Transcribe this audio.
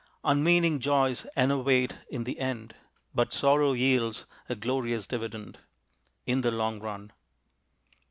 Unmeaning joys enervate in the end. But sorrow yields a glorious dividend In the long run.